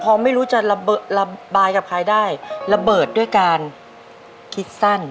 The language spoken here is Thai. พอไม่รู้จะระบายกับใครได้ระเบิดด้วยการคิดสั้น